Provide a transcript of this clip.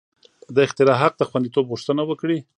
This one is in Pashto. د اختراع حق د خوندیتوب غوښتنه وکړي.